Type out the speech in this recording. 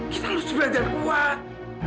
kita harus belajar kuat